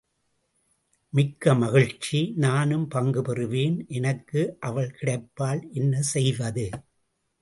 மிக்க மகிழ்ச்சி நானும் பங்கு பெறுவேன் எனக்கு அவள் கிடைப்பாள் என்ன செய்வது?